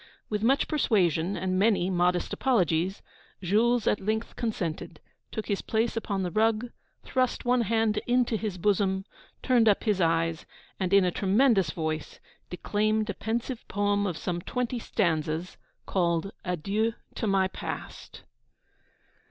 With much persuasion and many modest apologies, Jules at length consented, took his place upon the rug, thrust one hand into his bosom, turned up his eyes, and, in a tremendous voice, declaimed a pensive poem of some twenty stanzas, called 'Adieu to my past.'